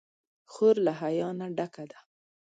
خور له حیا نه ډکه ده.